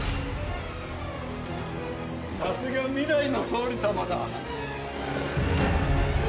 さすが未来の総理さまだ。